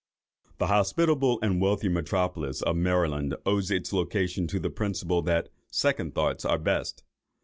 The hospitable and wealthy metropolis of Maryland owes its location to the principle, that "second thoughts are best."